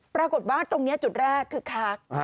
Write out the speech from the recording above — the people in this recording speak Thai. ปรากฏว่าตรงนี้จุดแรกคึกคัก